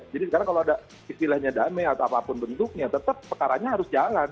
jadi sekarang kalau ada istilahnya damai atau apapun bentuknya tetap perkaranya harus jalan